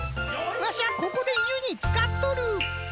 わしゃここでゆにつかっとる。